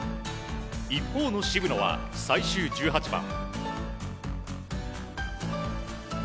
一方の渋野は最終１８番。